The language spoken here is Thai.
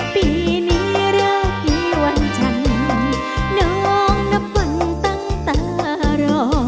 ปีนี้แล้วปีวันใจน้องนับปุ่นตั้งตารอ